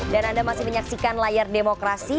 dan anda masih menyaksikan layar demokrasi